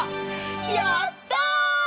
やった！